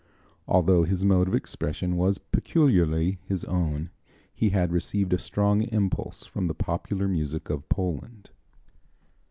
Although his mode of expression was peculiarly his own, he had received a strong impulse from the popular music of Poland.